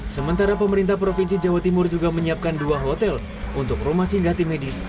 sementara pemerintah provinsi jawa timur juga menyiapkan dua hotel untuk rumah singgah tim medis